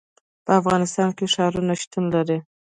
په افغانستان کې ښارونه شتون لري.